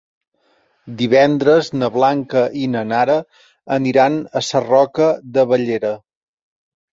Divendres na Blanca i na Nara aniran a Sarroca de Bellera.